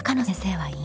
はい。